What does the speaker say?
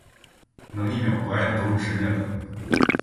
能一秒不爱的都是神人了